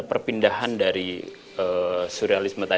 perpindahan dari surrealisme gitu ya